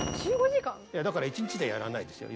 いやだから１日でやらないですよ。